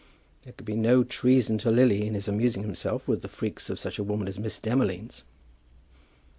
There could be no treason to Lily in his amusing himself with the freaks of such a woman as Miss Demolines.